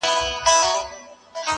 خدای راکړي تېزي سترگي غټ منگول دئ٫